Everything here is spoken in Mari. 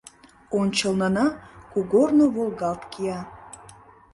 Ончылнына кугорно волгалт кия.